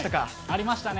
ありましたね。